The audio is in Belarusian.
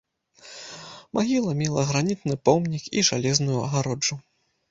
Магіла мела гранітны помнік і жалезную агароджу.